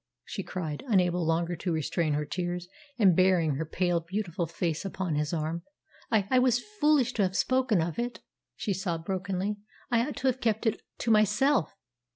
she cried, unable longer to restrain her tears, and burying her pale, beautiful face upon his arm. "I I was foolish to have spoken of it," she sobbed brokenly: "I ought to have kept it to myself.